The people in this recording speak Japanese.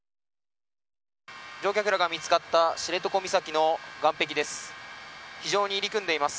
乗客らが見つかった知床岬の岸壁です。